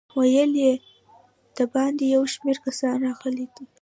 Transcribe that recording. ویل یې د باندې یو شمېر کسان راغلي دي.